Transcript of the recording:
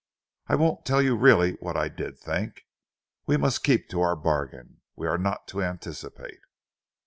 I won't tell you really what I did think. We must keep to our bargain. We are not to anticipâté."